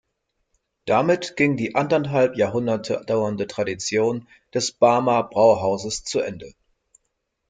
Damit ging die anderthalb Jahrhunderte dauernde Tradition des Barmer Brauhauses zu Ende.